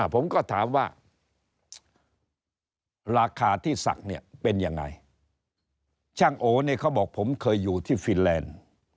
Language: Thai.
ผมก็ถามว่าราคาที่สักเป็นยังไงช่างโอเขาบอกผมเคยอยู่ที่ฟินแลนด์